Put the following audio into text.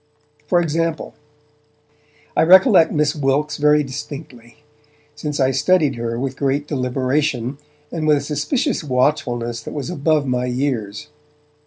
For example, I recollect Miss Wilkes very distinctly, since I studied her with great deliberation, and with a suspicious watchfulness that was above my years.